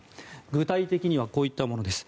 具体的にはこういったものです。